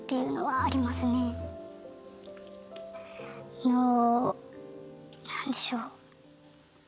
あのなんでしょう。